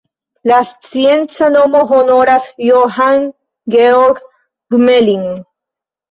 La scienca nomo honoras Johann Georg Gmelin.